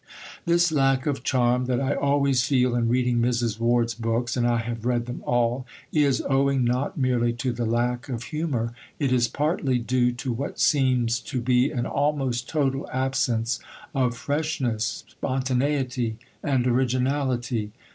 This lack of charm that I always feel in reading Mrs. Ward's books (and I have read them all) is owing not merely to the lack of humour. It is partly due to what seems to be an almost total absence of freshness, spontaneity, and originality.